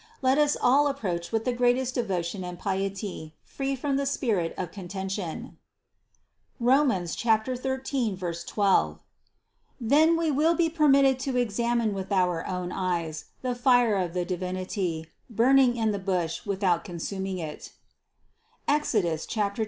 Let us all approach with the great est devotion and piety, free from the spirit of conten tion (Rom. 13, 12) ; then we will be permitted to exam ine with our own eyes the fire of the Divinity burning in the bush without consuming it (Exodus 2, 2).